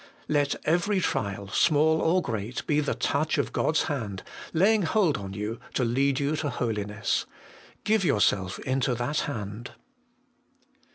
Let every trial, small or great, be the touch of God's hand, laying hold on you, to lead you to holiness. Give yourself into that hand.